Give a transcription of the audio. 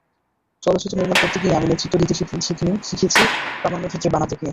চলচ্চিত্র নির্মাণ করতে গিয়ে আমি নেতৃত্ব দিতে শিখিনি, শিখেছি প্রামাণ্যচিত্র বানাতে গিয়ে।